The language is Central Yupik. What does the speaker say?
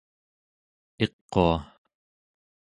iqua